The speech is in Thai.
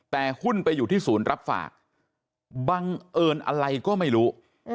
แต่หุ้นไปอยู่ที่ศูนย์รับฝากบังเอิญอะไรก็ไม่รู้